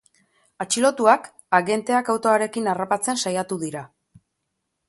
Atxilotuak agenteak autoarekin harrapatzen saiatu dira.